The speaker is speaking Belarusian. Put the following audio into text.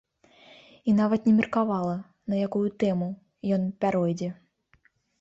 І нават не меркавала, на якую тэму ён пяройдзе.